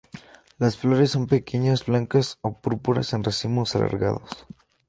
Las flores son pequeñas blancas o púrpuras en racimos alargados.